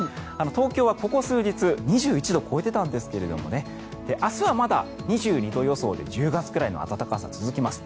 東京はここ数日２１度を超えていたんですが明日はまだ２２度予想で１０月くらいの暖かさ続きます。